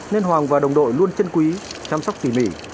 nên hoàng và đồng đội luôn chân quý chăm sóc tỉ mỉ